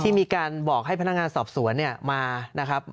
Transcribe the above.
มีการบอกให้พนักงานสอบสวนเนี่ยมานะครับ